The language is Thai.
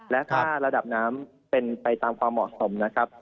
และถ้าระดับน้ำเป็นไปตามความเหมาะสมนะครับ